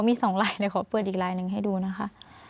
เดี๋ยวเขามี๒ลายขอเปิดอีกลายหนึ่งให้ดูนะคะ